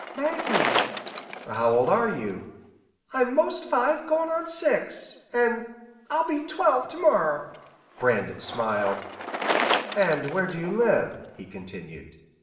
"Maggie." "How old are you?" "I'm 'most five goin' on six an' I'll be twelve ter morrer." Brandon smiled. "And where do you live?" he continued.